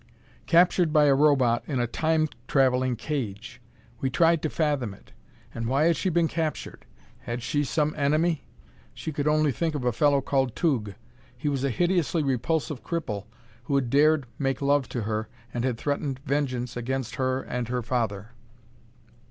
Captured by a Robot in a Time traveling cage! We tried to fathom it. And why had she been captured? Had she some enemy? She could only think of a fellow called Tugh. He was a hideously repulsive cripple who had dared make love to her and had threatened vengeance against her and her father.